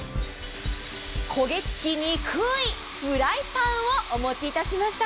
焦げつきにくいフライパンをお持ちいたしました。